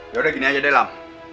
yaudah gini aja deh lam